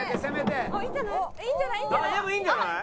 でもいいんじゃない？